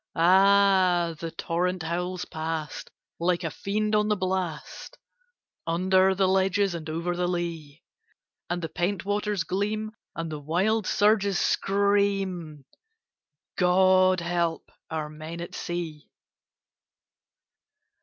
Ah! the torrent howls past, like a fiend on the blast, Under the ledges and over the lea; And the pent waters gleam, and the wild surges scream God help our men at sea!